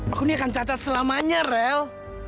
aku ini akan cacat selamanya rel